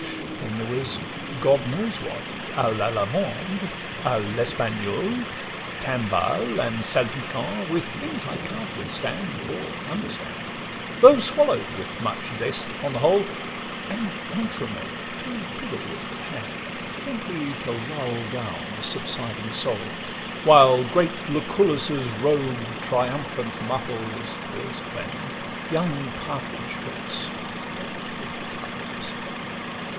Then there was God knows what 'a l'Allemande,' 'A l'Espagnole,' 'timballe,' and 'salpicon' With things I can't withstand or understand, Though swallow'd with much zest upon the whole; And 'entremets' to piddle with at hand, Gently to lull down the subsiding soul; While great Lucullus' Robe triumphal muffles (There's fame) young partridge fillets, deck'd with truffles.